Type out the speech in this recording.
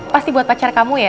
pasti buat pacar kamu ya